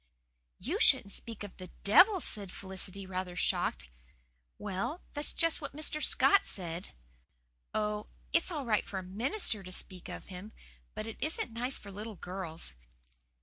'" "You shouldn't speak of the the DEVIL," said Felicity, rather shocked. "Well, that's just what Mr. Scott said." "Oh, it's all right for a MINISTER to speak of him. But it isn't nice for little girls.